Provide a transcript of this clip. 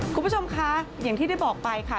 คุณผู้ชมคะอย่างที่ได้บอกไปค่ะ